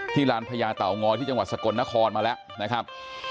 ลานพญาเต่างอยที่จังหวัดสกลนครมาแล้วนะครับ